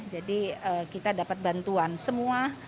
jadi kita dapat bantuan semua